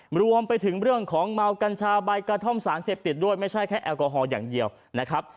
รวมไปถึงเรื่องของเมากัญชาใบกระท่อมสารเสพติดด้วยไม่ใช่แค่แอลกอฮอลอย่างเดียวนะครับ